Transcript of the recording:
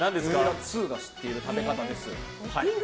ツウが知っている食べ方です。